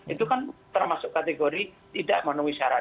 itu kan termasuk kategori tidak memenuhi syarat